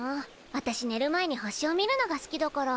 わたしねる前に星を見るのが好きだから。